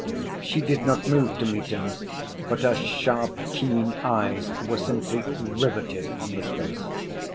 She did not move to meet him, but her sharp, keen eyes were simply riveted on his face.